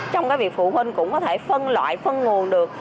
trong cái việc phụ huynh cũng có thể phân loại phân nguồn được